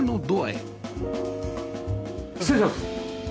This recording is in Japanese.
失礼します。